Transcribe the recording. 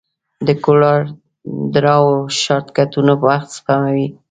د کولر ډراو شارټکټونه وخت سپموي.